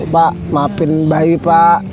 pak maafin bayi pak